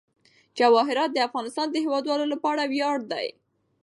جواهرات د افغانستان د هیوادوالو لپاره ویاړ دی.